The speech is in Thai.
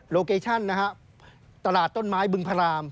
โลเกชั่นตลาดต้นไม้บึงพราหมณ์